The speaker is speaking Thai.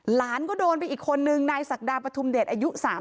หลานก็โดนไปอีกคนนึงนายศักดาปฐุมเดชอายุ๓๐